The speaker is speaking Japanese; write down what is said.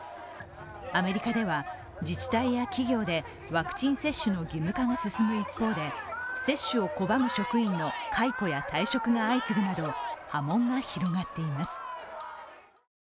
アメリカでは自治体や企業でワクチン接種の義務化が進む一方で接種を拒む職員の解雇や退職が相次ぐなど波紋が広がっています。